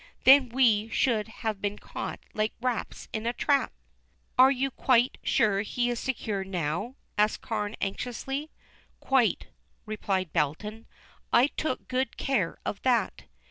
Then we should have been caught like rats in a trap." "Are you quite sure he is secure now?" asked Carne anxiously. "Quite," replied Belton, "I took good care of that."